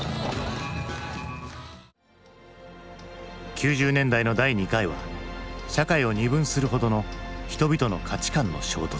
９０年代の第２回は社会を二分するほどの人々の価値観の衝突。